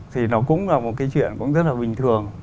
thì nó cũng là một cái chuyện cũng rất là bình thường